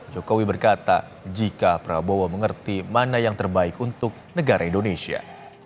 jokowi berkata jika prabowo mengerti mana yang terbaik untuk negara indonesia